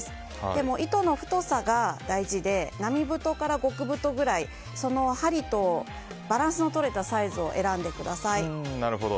でも糸の太さが大事で並太から極太ぐらい針とバランスのとれたサイズを選んでください。